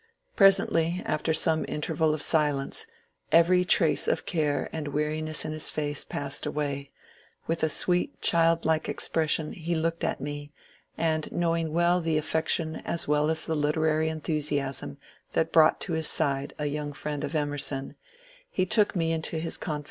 Presently, after some interval of silence, every trace of care and weariness in his face passed away ; with a sweet, child like expression he looked at me, and knowing well the affec tion as well as the literary enthusiasm that had brought to his side a young friend of Emerson, he took me into his confi VOL.